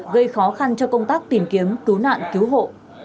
gây khó khăn cho công tác tìm kiếm cứu nạn cứu hộ